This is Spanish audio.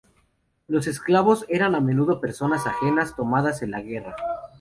Los esclavos eran a menudo personas ajenas, tomadas en la guerra.